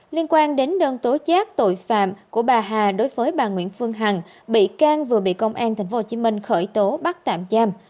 liên quan đến đơn tố giác tội phạm của bà hà đối với bà nguyễn phương hằng bị can vừa bị công an tp hcm khởi tố bắt tạm giam